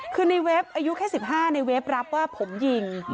คือในเว็บอายุแค่๑๕ในเว็บรับว่าผมยิง